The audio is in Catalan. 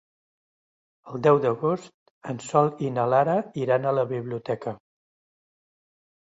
El deu d'agost en Sol i na Lara iran a la biblioteca.